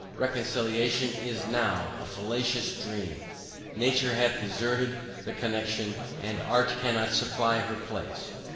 Reconciliation is NOW a falacious dream. Nature hath deserted the connexion, and Art cannot supply her place.